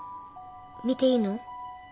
見ていいの？